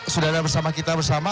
sudah ada bersama kita bersama